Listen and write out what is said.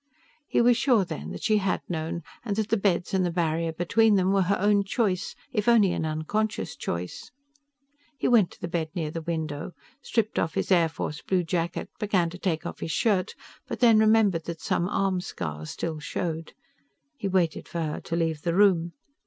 He was sure then that she had known, and that the beds and the barrier between them were her own choice, if only an unconscious choice. He went to the bed near the window, stripped off his Air Force blue jacket, began to take off his shirt, but then remembered that some arm scars still showed. He waited for her to leave the room.